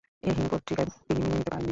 এ হীন প্রক্রিয়া তিনি মেনে নিতে পারেন নি।